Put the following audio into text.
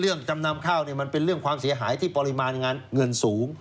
จำนำข้าวมันเป็นเรื่องความเสียหายที่ปริมาณเงินสูง